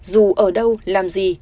dù ở đâu làm gì